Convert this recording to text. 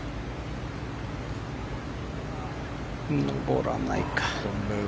上らないか。